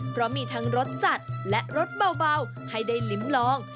เพราะมีทั้งรสจัดและรสเบาให้ได้ลิ้มลอง